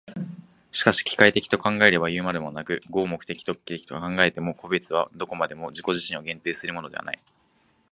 しかし機械的と考えればいうまでもなく、合目的的と考えても、個物はどこまでも自己自身を限定するものではない。